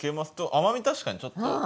甘み確かにちょっと。